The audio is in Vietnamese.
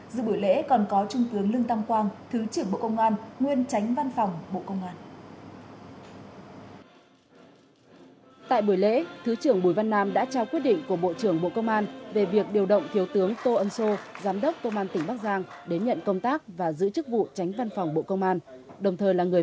dự buổi lễ còn có trung tướng lương tam quang thứ trưởng bộ công an nguyên tránh văn phòng bộ công an